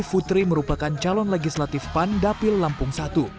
putri merupakan calon legislatif pan dapil lampung satu